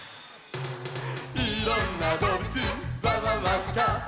「いろんなどうぶつわんわんわんさか」